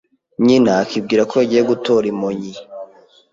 Nyina akibwira ko yagiye gutora imonyi